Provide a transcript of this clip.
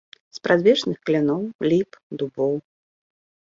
Спрадвечных кляноў, ліп, дубоў.